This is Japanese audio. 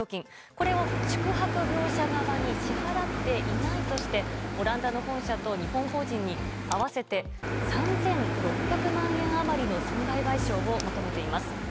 これを宿泊業者側に支払っていないとしてオランダの本社と日本法人に合わせて３６００万円余りの損害賠償を求めています。